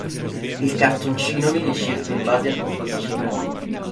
Il cartoncino viene scelto in base al tipo di cerimonia.